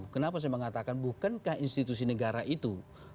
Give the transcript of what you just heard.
kenapa saya mengatakan bukankah institusi negara itu